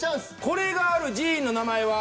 これがある寺院の名前は？